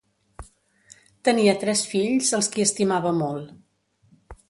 Tenia tres fills als qui estimava molt.